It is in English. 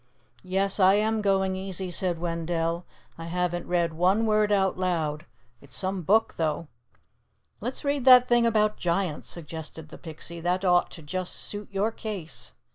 "Yes, I am going easy," said Wendell. "I haven't read one word out loud. It's some book, though!" "Let's read that thing about giants," suggested the Pixie. "That ought to just suit your case."